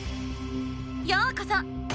ようこそ！